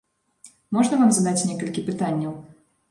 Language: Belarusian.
Можна вам задаць некалькі пытанняў?